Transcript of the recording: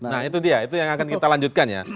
nah itu dia itu yang akan kita lanjutkan ya